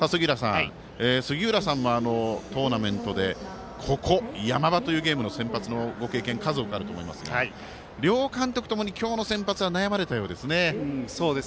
杉浦さんもトーナメントでここ、山場というゲームの先発のご経験も数多くあると思いますが両監督ともに今日の先発は悩まれたようですね。